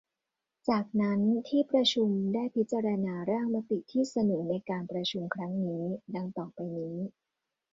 จากนั้นที่ประชุมได้พิจารณาร่างมติที่เสนอในการประชุมครั้งนี้ ดังต่อไปนี้